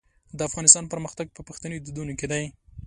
د افغانستان پرمختګ په پښتني دودونو کې دی.